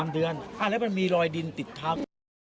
๓เดือนแล้วมันมีรอยดินติดทับ